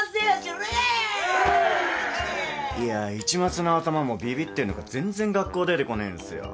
いや市松のアタマもビビってんのか全然学校出てこねえんすよ。